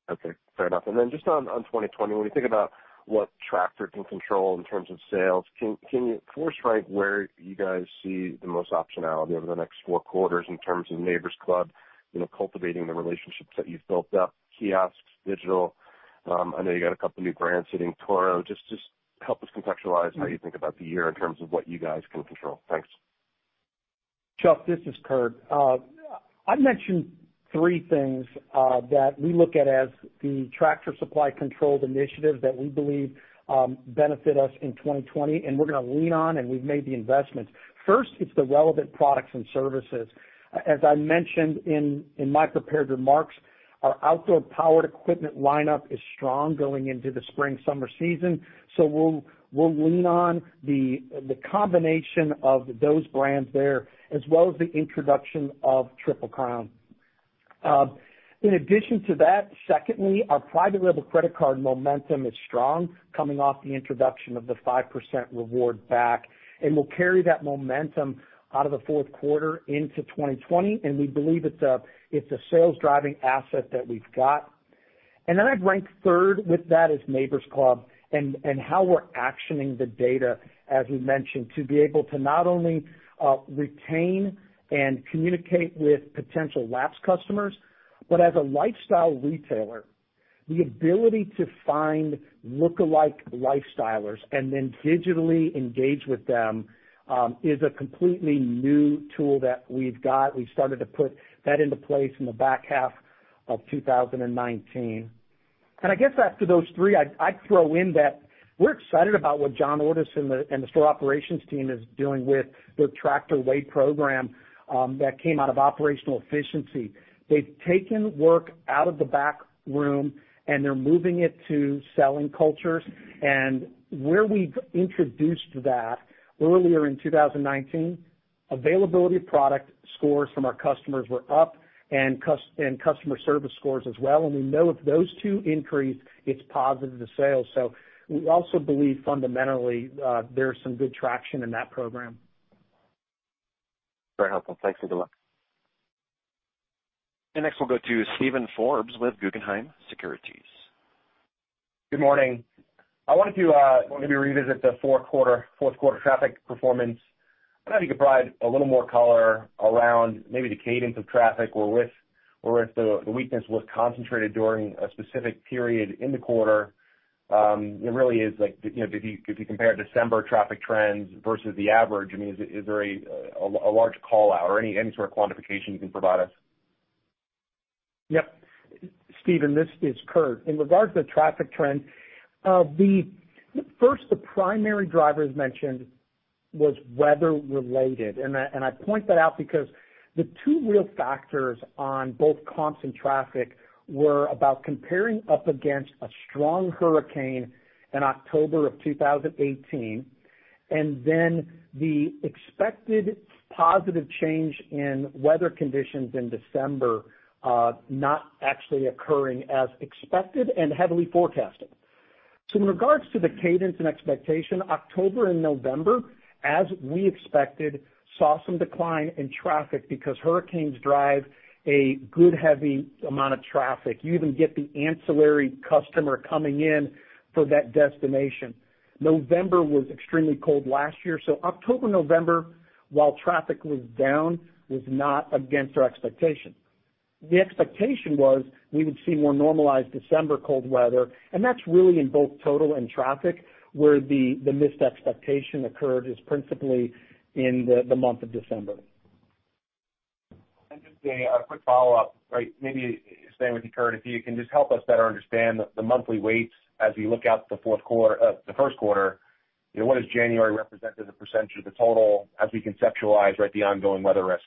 Okay. Fair enough. Just on 2020, when you think about what Tractor can control in terms of sales, can you force rank where you guys see the most optionality over the next four quarters in terms of Neighbor's Club, cultivating the relationships that you've built up, kiosks, digital? I know you got a couple new brands hitting Toro. Just help us contextualize how you think about the year in terms of what you guys can control. Thanks. Chuck, this is Kurt. I'd mention three things that we look at as the Tractor Supply controlled initiatives that we believe benefit us in 2020, and we're gonna lean on, and we've made the investments. First, it's the relevant products and services. As I mentioned in my prepared remarks, our outdoor powered equipment lineup is strong going into the spring-summer season, we'll lean on the combination of those brands there, as well as the introduction of Triple Crown. In addition to that, secondly, our private label credit card momentum is strong coming off the introduction of the 5% reward back, we'll carry that momentum out of the fourth quarter into 2020, we believe it's a sales-driving asset that we've got. Then I'd rank third with that is Neighbor's Club and how we're actioning the data, as we mentioned, to be able to not only retain and communicate with potential lapsed customers, but as a lifestyle retailer, the ability to find lookalike lifestylers and then digitally engage with them, is a completely new tool that we've got. We started to put that into place in the back half of 2019. I guess after those three, I'd throw in that we're excited about what John Ordus and the store operations team is doing with the Tractor Way program, that came out of operational efficiency. They've taken work out of the backroom, and they're moving it to selling cultures. Where we've introduced that earlier in 2019, availability of product scores from our customers were up and customer service scores as well. We know if those two increase, it's positive to sales. We also believe fundamentally, there's some good traction in that program. Very helpful. Thanks, and good luck. Next, we'll go to Steven Forbes with Guggenheim Securities. Good morning. I wanted to maybe revisit the fourth quarter traffic performance. I don't know if you could provide a little more color around maybe the cadence of traffic or if the weakness was concentrated during a specific period in the quarter. If you compare December traffic trends versus the average, is there a large call-out or any sort of quantification you can provide us? Yep. Steven, this is Kurt. In regards to traffic trends, first, the primary driver, as mentioned, was weather related. I point that out because the two real factors on both comps and traffic were about comparing up against a strong hurricane in October of 2018, and then the expected positive change in weather conditions in December not actually occurring as expected and heavily forecasted. In regards to the cadence and expectation, October and November, as we expected, saw some decline in traffic because hurricanes drive a good heavy amount of traffic. You even get the ancillary customer coming in for that destination. November was extremely cold last year, so October, November. While traffic was down was not against our expectation. The expectation was we would see more normalized December cold weather, and that's really in both total and traffic, where the missed expectation occurred is principally in the month of December. Just a quick follow-up, maybe staying with you, Kurt, if you can just help us better understand the monthly weights as we look out the first quarter. What does January represent as a percentage of the total as we conceptualize the ongoing weather risk?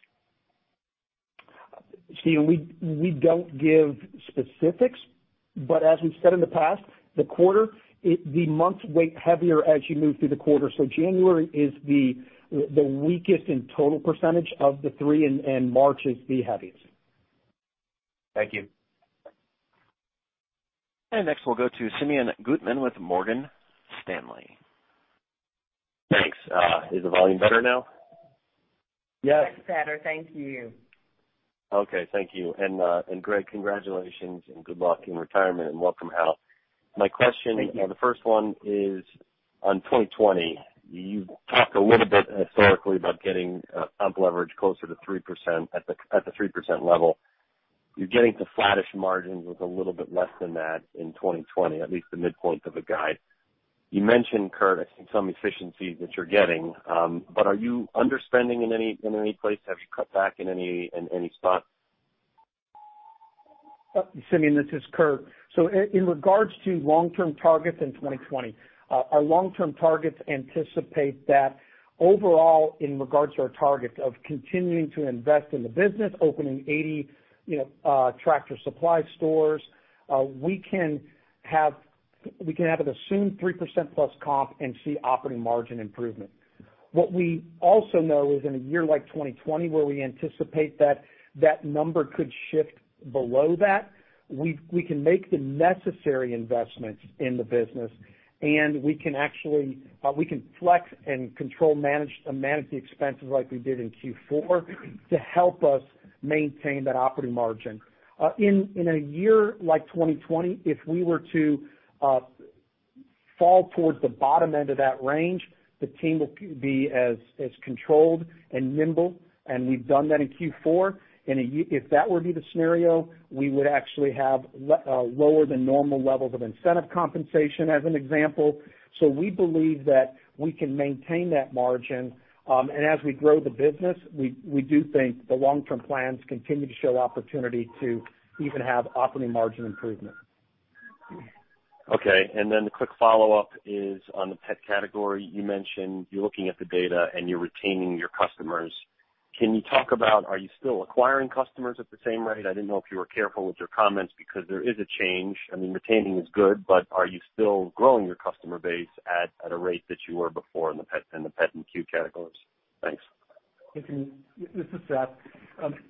Steven, we don't give specifics. As we've said in the past, the quarter, the months weigh heavier as you move through the quarter. January is the weakest in total percentage of the three, and March is the heaviest. Thank you. Next, we'll go to Simeon Gutman with Morgan Stanley. Thanks. Is the volume better now? Yes. Much better. Thank you. Okay. Thank you. Greg, congratulations and good luck in retirement and welcome, Hal. Thank you. My question, the first one is on 2020. You talked a little bit historically about getting leverage closer to 3%, at the 3% level. You're getting to flattish margins with a little bit less than that in 2020, at least the midpoint of the guide. You mentioned, Kurt, I think some efficiencies that you're getting. Are you underspending in any place? Have you cut back in any spot? Simeon, this is Kurt. In regards to long-term targets in 2020, our long-term targets anticipate that overall, in regards to our targets of continuing to invest in the business, opening 80 Tractor Supply stores, we can have an assumed 3%+ comp and see operating margin improvement. What we also know is in a year like 2020, where we anticipate that that number could shift below that, we can make the necessary investments in the business, and we can flex and control, manage the expenses like we did in Q4 to help us maintain that operating margin. In a year like 2020, if we were to fall towards the bottom end of that range, the team will be as controlled and nimble, and we've done that in Q4. If that were to be the scenario, we would actually have lower than normal levels of incentive compensation, as an example. We believe that we can maintain that margin. As we grow the business, we do think the long-term plans continue to show opportunity to even have operating margin improvement. Okay. The quick follow-up is on the pet category. You mentioned you're looking at the data and you're retaining your customers. Are you still acquiring customers at the same rate? I didn't know if you were careful with your comments because there is a change. I mean, retaining is good, are you still growing your customer base at a rate that you were before in the pet and queue categories? Thanks. This is Seth.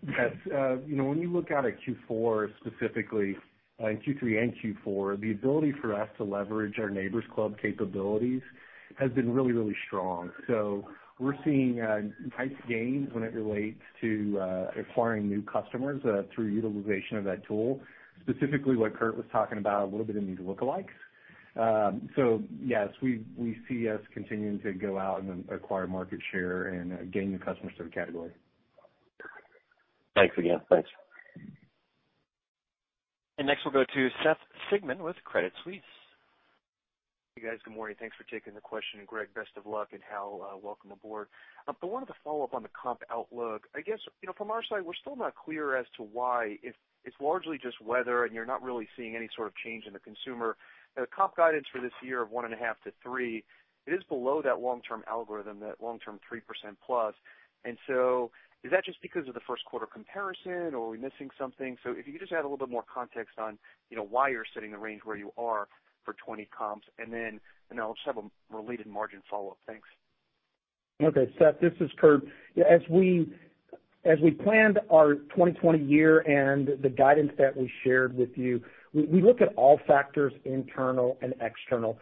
Yes. When you look out at Q4 specifically, Q3 and Q4, the ability for us to leverage our Neighbor's Club capabilities has been really, really strong. We're seeing nice gains when it relates to acquiring new customers through utilization of that tool. Specifically what Kurt was talking about, a little bit of need to lookalikes. Yes, we see us continuing to go out and acquire market share and gain new customers to the category. Thanks again. Thanks. Next, we'll go to Seth Sigman with Credit Suisse. Hey, guys. Good morning. Thanks for taking the question. Greg, best of luck, and Hal, welcome aboard. I wanted to follow up on the comp outlook. I guess, from our side, we're still not clear as to why, if it's largely just weather and you're not really seeing any sort of change in the consumer, the comp guidance for this year of 1.5%-3%, it is below that long-term algorithm, that long-term 3%+. Is that just because of the first quarter comparison, or are we missing something? If you could just add a little bit more context on why you're setting the range where you are for 2020 comps, and then I also have a related margin follow-up. Thanks. Okay, Seth, this is Kurt. As we planned our 2020 year and the guidance that we shared with you, we look at all factors, internal and external.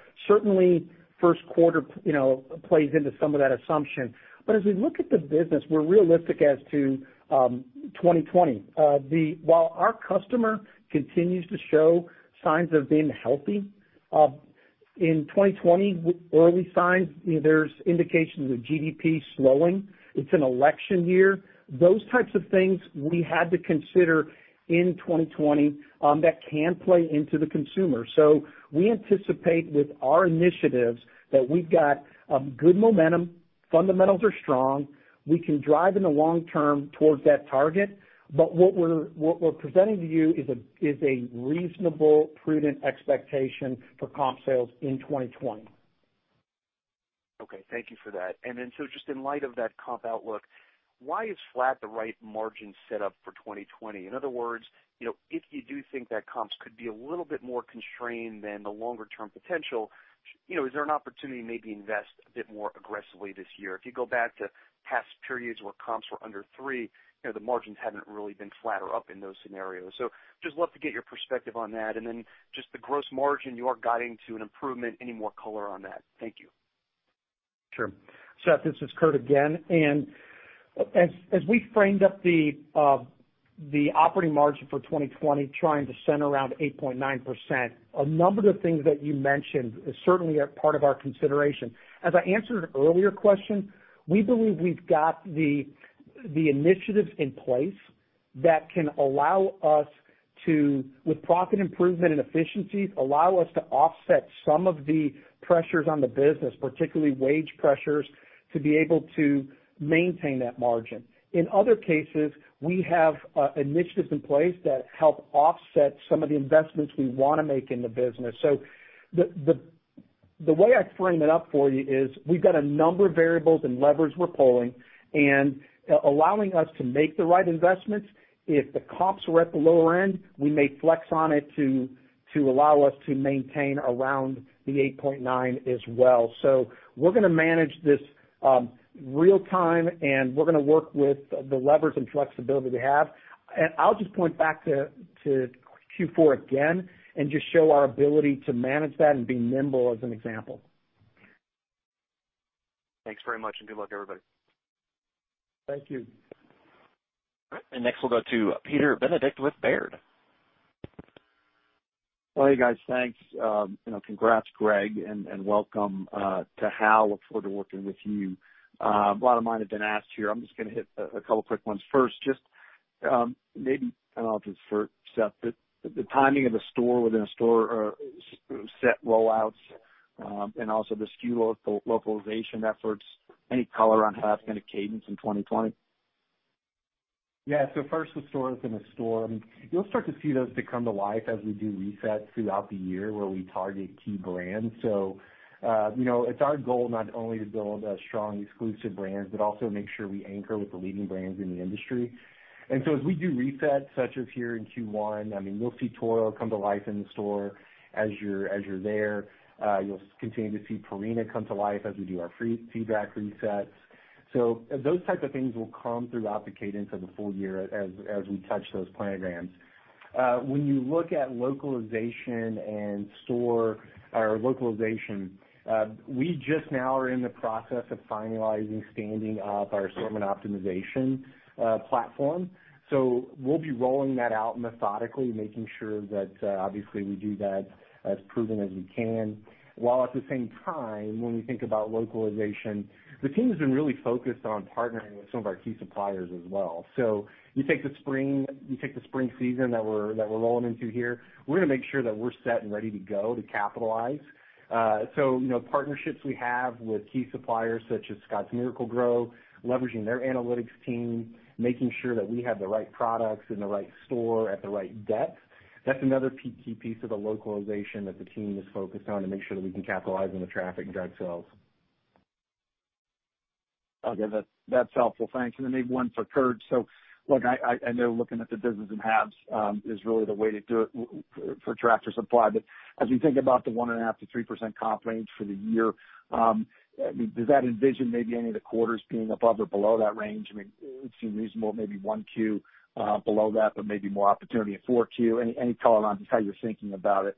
As we look at the business, we're realistic as to 2020. While our customer continues to show signs of being healthy, in 2020, early signs, there's indications of GDP slowing. It's an election year. Those types of things we had to consider in 2020 that can play into the consumer. We anticipate with our initiatives that we've got good momentum, fundamentals are strong. We can drive in the long term towards that target. What we're presenting to you is a reasonable, prudent expectation for comp sales in 2020. Okay. Thank you for that. Just in light of that comp outlook, why is flat the right margin set up for 2020? In other words, if you do think that comps could be a little bit more constrained than the longer-term potential, is there an opportunity to maybe invest a bit more aggressively this year? If you go back to past periods where comps were under 3%, the margins haven't really been flat or up in those scenarios. Just love to get your perspective on that. Just the gross margin, you are guiding to an improvement. Any more color on that? Thank you. Sure. Seth, this is Kurt again. As we framed up the operating margin for 2020, trying to center around 8.9%. A number of things that you mentioned is certainly a part of our consideration. As I answered an earlier question, we believe we've got the initiatives in place that can allow us to, with profit improvement and efficiencies, allow us to offset some of the pressures on the business, particularly wage pressures, to be able to maintain that margin. In other cases, we have initiatives in place that help offset some of the investments we want to make in the business. The way I frame it up for you is we've got a number of variables and levers we're pulling and allowing us to make the right investments. If the comps were at the lower end, we may flex on it to allow us to maintain around the 8.9% as well. We're going to manage this real time, and we're going to work with the levers and flexibility we have. I'll just point back to Q4 again and just show our ability to manage that and be nimble as an example. Thanks very much and good luck, everybody. Thank you. Next we'll go to Peter Benedict with Baird. Well, hey, guys, thanks. Congrats, Greg, and welcome to Hal. Look forward to working with you. A lot of mine have been asked here. I'm just going to hit a couple of quick ones. First, just maybe, I don't know if it's for Seth, but the timing of the store within a store set rollouts and also the SKU localization efforts, any color on how that's going to cadence in 2020? Yeah. First, the stores within a store. You'll start to see those come to life as we do resets throughout the year where we target key brands. It's our goal not only to build strong exclusive brands, but also make sure we anchor with the leading brands in the industry. As we do resets, such as here in Q1, we'll see Toro come to life in the store as you're there. You'll continue to see Purina come to life as we do our feedback resets. Those type of things will come throughout the cadence of the full year as we touch those planograms. When you look at localization, we just now are in the process of finalizing standing up our assortment optimization platform. We'll be rolling that out methodically, making sure that obviously we do that as proven as we can. While at the same time, when we think about localization, the team has been really focused on partnering with some of our key suppliers as well. You take the spring season that we're rolling into here, we're going to make sure that we're set and ready to go to capitalize. Partnerships we have with key suppliers such as Scotts Miracle-Gro, leveraging their analytics team, making sure that we have the right products in the right store at the right depth. That's another key piece of the localization that the team is focused on to make sure that we can capitalize on the traffic and drive sales. Okay. That's helpful. Thanks. Then maybe one for Kurt. Look, I know looking at the business in halves is really the way to do it for Tractor Supply. As we think about the 1.5%-3% comp range for the year, does that envision maybe any of the quarters being above or below that range? It seems reasonable, maybe 1Q below that, but maybe more opportunity at 4Q. Any color on just how you're thinking about it,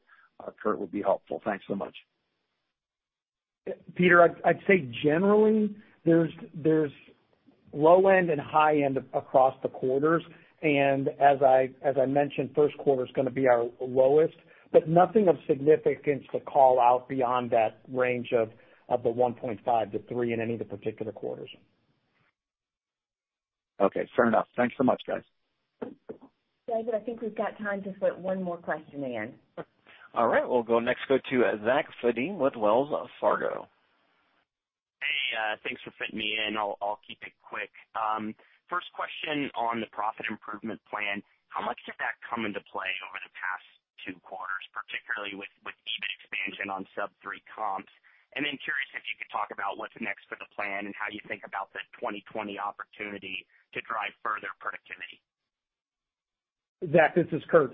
Kurt, would be helpful. Thanks so much. Peter, I'd say generally, there's low end and high end across the quarters, as I mentioned, first quarter is going to be our lowest, but nothing of significance to call out beyond that range of the 1.5%-3% in any of the particular quarters. Okay. Fair enough. Thanks so much, guys. David, I think we've got time to fit one more question in. All right. We'll go next go to Zach Fadem with Wells Fargo. Hey, thanks for fitting me in. I'll keep it quick. First question on the profit improvement plan. How much did that come into play over the past two quarters, particularly with EBIT expansion on sub three comps? Curious if you could talk about what's next for the plan and how you think about the 2020 opportunity to drive further productivity. Zach, this is Kurt.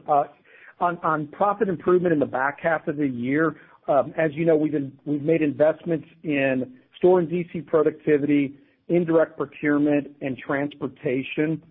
On profit improvement in the back half of the year, as you know, we've made investments in store and DC productivity, indirect procurement, and transportation.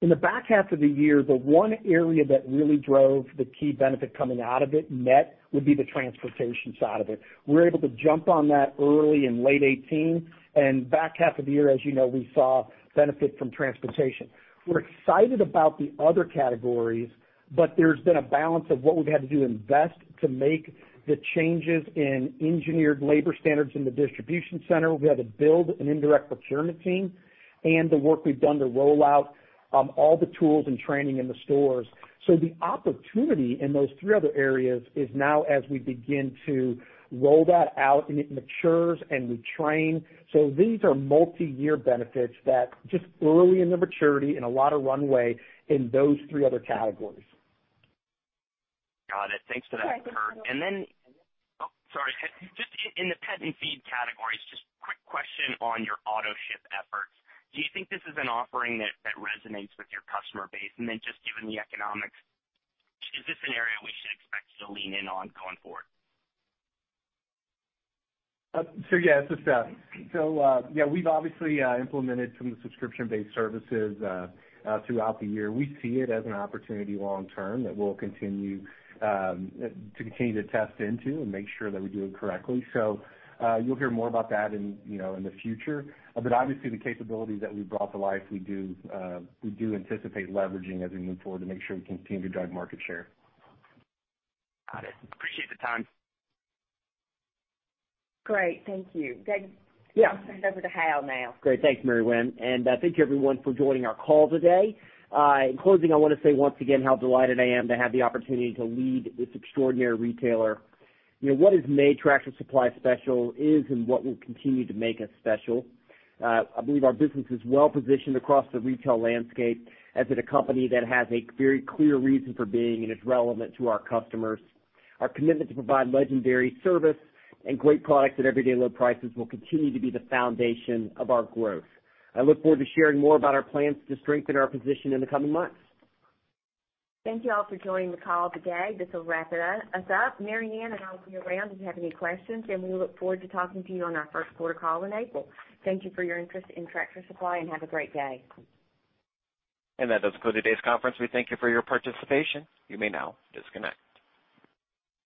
In the back half of the year, the one area that really drove the key benefit coming out of it net would be the transportation side of it. We were able to jump on that early in late 2018 and back half of the year, as you know, we saw benefit from transportation. We're excited about the other categories, but there's been a balance of what we've had to do to invest to make the changes in engineered labor standards in the distribution center. We had to build an indirect procurement team and the work we've done to roll out all the tools and training in the stores. The opportunity in those three other areas is now as we begin to roll that out and it matures and we train. These are multi-year benefits that just early in the maturity and a lot of runway in those three other categories. Got it. Thanks for that, Kurt. [INAUDIBLE] Oh, sorry. Just in the pet and feed categories, just quick question on your auto-ship efforts. Do you think this is an offering that resonates with your customer base? Just given the economics, is this an area we should expect you to lean in on going forward? Sure, yeah. This is Seth. Yeah, we've obviously implemented some of the subscription-based services throughout the year. We see it as an opportunity long term that we'll continue to test into and make sure that we do it correctly. You'll hear more about that in the future. Obviously, the capabilities that we've brought to life, we do anticipate leveraging as we move forward to make sure we continue to drive market share. Got it. Appreciate the time. Great. Thank you. I'll turn it over to Hal now. Great. Thanks, Mary Winn. Thank you, everyone, for joining our call today. In closing, I want to say once again how delighted I am to have the opportunity to lead this extraordinary retailer. What has made Tractor Supply special is and what will continue to make us special. I believe our business is well-positioned across the retail landscape as it is a company that has a very clear reason for being and is relevant to our customers. Our commitment to provide legendary service and great products at everyday low prices will continue to be the foundation of our growth. I look forward to sharing more about our plans to strengthen our position in the coming months. Thank you all for joining the call today. This will wrap us up. Mary Winn and I will be around if you have any questions, and we look forward to talking to you on our first quarter call in April. Thank you for your interest in Tractor Supply, and have a great day. That does conclude today's conference. We thank you for your participation. You may now disconnect.